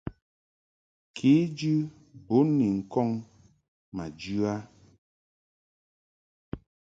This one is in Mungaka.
Kejɨ bun ni ŋkɔŋ ma jɨ a.